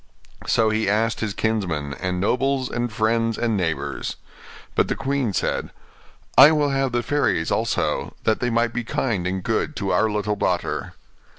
So he asked his kinsmen, and nobles, and friends, and neighbours. But the queen said, 'I will have the fairies also, that they might be kind and good to our little daughter.